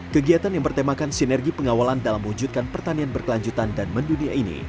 kegiatan yang bertemakan sinergi pengawalan dalam wujudkan pertanian berkelanjutan dan mendunia ini